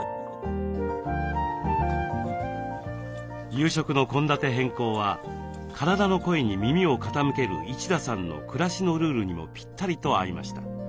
夕食の献立変更は体の声に耳を傾ける一田さんの暮らしのルールにもぴったりと合いました。